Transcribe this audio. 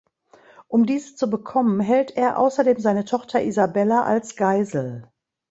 Um diese zu bekommen hält er außerdem seine Tochter Isabella als Geisel.